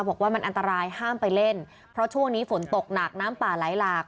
บอกว่ามันอันตรายห้ามไปเล่นเพราะช่วงนี้ฝนตกหนักน้ำป่าไหลหลาก